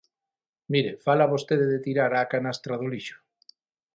Mire, fala vostede de tirar á canastra do lixo.